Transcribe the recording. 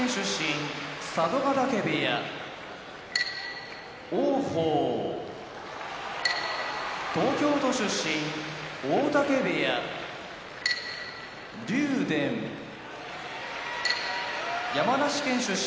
部屋王鵬東京都出身大嶽部屋竜電山梨県出身